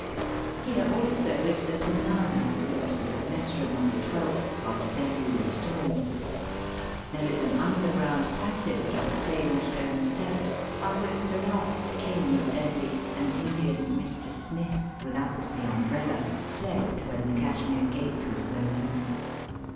Here also is the Zenana, used as the mess room of the 12th after Delhi was stormed. There is an underground passage of plain stone steps, by which the last King of Delhi, an Indian ''Mr. Smith" without the um brella, fled when the Cashmere Gate was blown, in.